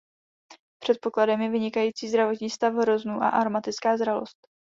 Předpokladem je vynikající zdravotní stav hroznů a aromatická zralost.